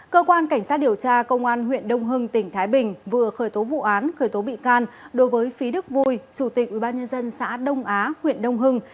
cơ quan cảnh sát điều tra công an huyện đông hưng tỉnh thái bình vừa khởi tố vụ án khởi tố bị can đối với phí đức vui chủ tịch ubnd xã đông á huyện đông hưng